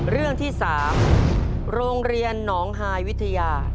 เรื่องที่๓โรงเรียนหนองฮายวิทยา